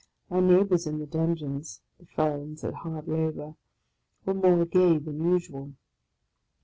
My neigh bours in the dungeons, the felons at hard labour, were more gay than usual.